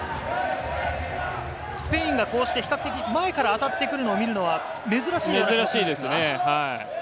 スペインがこうして比較的前から当たってくるのを見るのは珍しいですね。